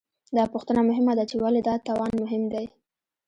دا پوښتنه مهمه ده، چې ولې دا توان مهم دی؟